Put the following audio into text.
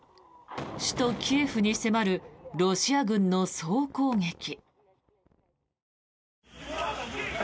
首都キエフに迫るロシア軍の総攻撃。